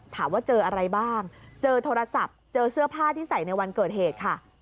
ถามว่าเจออะไรบ้างเจอโทรศัพท์เจอเสื้อผ้าที่ใส่ในวันเกิดเหตุค่ะ